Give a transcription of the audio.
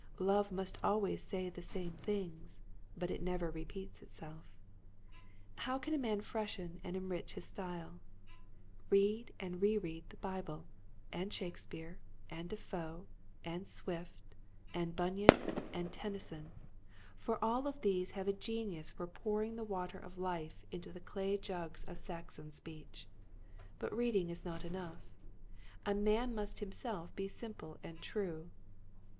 Love must always say the same things, but it never repeats itself. How can a man freshen and enrich his style .? Read and reread the Bible and Shakespeare and Defoe and Swift and Bunyan and Tennyson, for all of these have a genius for pouring the water of life 1 82 Quiet Hints to Growing Preachers. into the clay jugs of Saxon speech. But reading is not enough. A man must him self be simple and true.